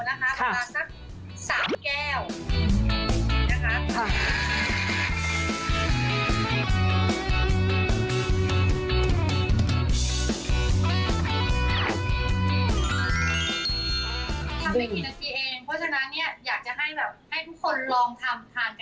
ทำให้กินอาจรีย์เองเพราะฉะนั้นอยากให้ทุกคนลองทำกัน